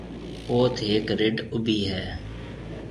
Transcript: اوٿ هيڪ رڍ اُڀِي هيَ۔